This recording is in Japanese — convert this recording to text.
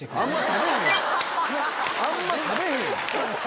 あんま食べへんやん！